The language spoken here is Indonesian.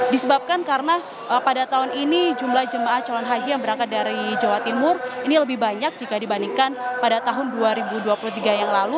disebabkan karena pada tahun ini jumlah jemaah calon haji yang berangkat dari jawa timur ini lebih banyak jika dibandingkan pada tahun dua ribu dua puluh tiga yang lalu